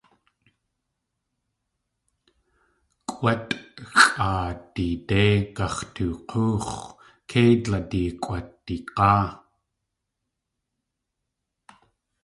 Kʼwátʼ Xʼáadidé gax̲took̲óox̲ kéidladi kʼwádig̲áa.